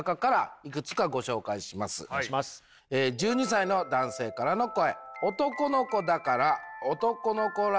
１２歳の男性からの声。